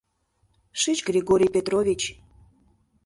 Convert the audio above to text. Шич, Григорий Петрович.